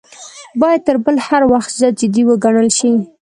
باید تر بل هر وخت زیات جدي وګڼل شي.